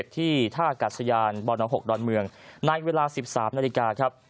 ที่ท่ากัดสยานบน๖ดอนเมืองในเวลา๑๓นาฬิกาครับ